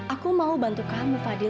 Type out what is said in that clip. aku mau bantu kamu fadil